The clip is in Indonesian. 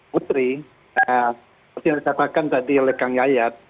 putri seperti yang dikatakan tadi oleh kang yayat